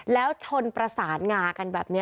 แล้วชนประสานงากันแบบนี้